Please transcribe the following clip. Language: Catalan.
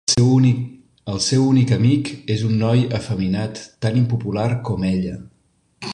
El seu únic amic és un noi efeminat tan impopular com ella.